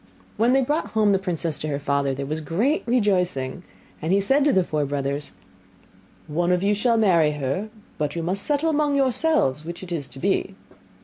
When they had brought home the princess to her father, there was great rejoicing; and he said to the four brothers, 'One of you shall marry her, but you must settle amongst yourselves which it is to be.